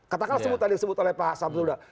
katakanlah sebutan disebut oleh pak sabzul